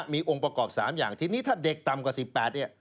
มีองค์ประกอบ๓อย่างทีนี้ถ้าเด็กต่ำกว่า๑๘เนี่ย